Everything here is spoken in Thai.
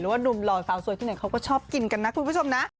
หรือว่าหนุ่มรอยเฝ้าสวยที่ไหนเขาก็ชอบกินกันนะคุณผู้ชมนะ